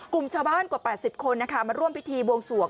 กลุ่มชาวบ้านกว่า๘๐คนมาร่วมพิธีบวงสวง